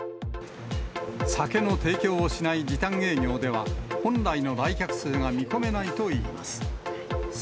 酒の提供をしない時短営業では、本来の来客数が見込めないといいます。